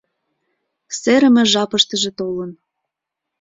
Серыме жапыштыже толын.